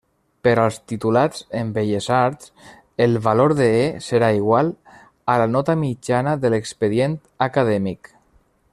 Per als titulats en Belles Arts el valor de E serà igual a la nota mitjana de l'expedient acadèmic.